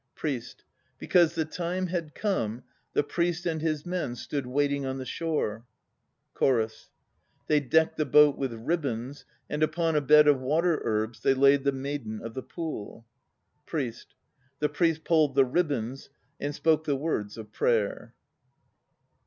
PRIEST. Because the time had come The Priest and his men Stood waiting on the shore CHORUS. They decked the boat with ribands And upon a bed of water herbs They laid the maiden of the Pool. PRIEST. The priest pulled the ribands And spoke the words of prayer.